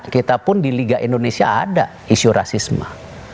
kita pun di liga indonesia ada isu rasisme